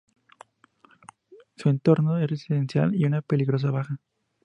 Su entorno es residencial y una peligrosidad baja.